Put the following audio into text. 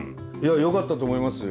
よかったと思いますよ。